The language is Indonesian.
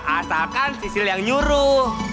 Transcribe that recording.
asalkan sisil yang nyuruh